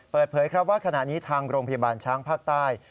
เปิดเผยครับว่าขณะนี้ทางโรงพยาบาลช้างภาคใต้